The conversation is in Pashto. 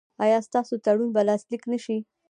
ایا ستاسو تړون به لاسلیک نه شي؟